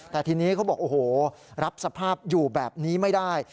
แต่ทีนี้เขาบอกโอ้โหรับสภาพอยู่แบบนี้ไม่ได้